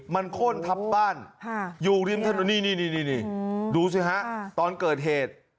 มันโคตรทับบ้านฮ่าอยู่ริมถนนนี่นี่นี่นี่ดูสิฮะตอนเกิดเหตุ